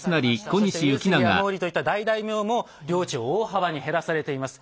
そして上杉や毛利といった大大名も領地を大幅に減らされています。